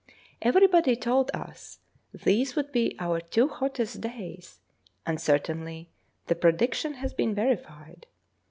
Everybody told us these would be our two hottest days, and certainly the prediction has been verified.